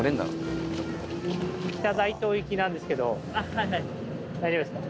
北大東島行きなんですけど大丈夫ですか？